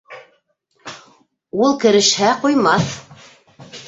Ул керешһә, ҡуймаҫ.